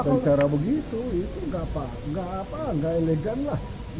dan cara begitu itu nggak apa apa nggak elegan lah